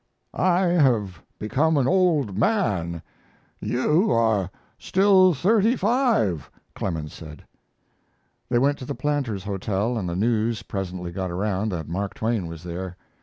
"I have become an old man. You are still thirty five," Clemens said. They went to the Planters Hotel, and the news presently got around that Mark Twain was there.